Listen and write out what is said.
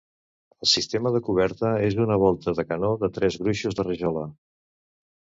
El sistema de coberta és una volta de canó de tres gruixos de rajola.